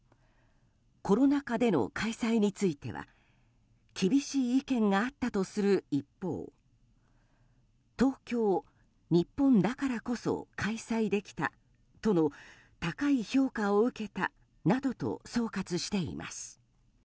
コロナ禍での開催については厳しい意見があったとする一方東京、日本だからこそ開催できたとの高い評価を受けたなどと総括しています。